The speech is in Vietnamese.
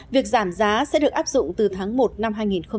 việc giảm giá sẽ được áp dụng từ tháng một năm hai nghìn một mươi tám